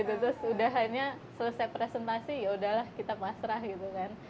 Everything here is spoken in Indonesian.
terus udah hanya selesai presentasi yaudahlah kita pasrah gitu kan